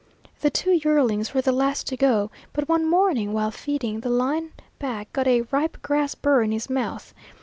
The two yearlings were the last to go, but one morning while feeding the line back got a ripe grass burr in his mouth.